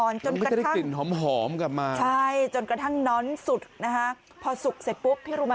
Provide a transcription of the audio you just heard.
มันไม่ได้ได้กลิ่นหอมกลับมาจนกระทั่งมันไม่ได้ได้กลิ่นหอมกลับมา